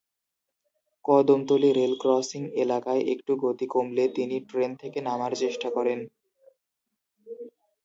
Kadamtali rail crossing এলাকায় একটু গতি কমলে তিনি ট্রেন থেকে নামার চেষ্টা করেন।